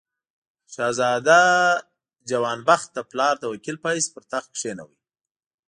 شهزاده جوان بخت د پلار د وکیل په حیث پر تخت کښېناوه.